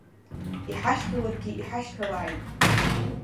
Иҳашьҭаларгьы, иҳашьҭалааит!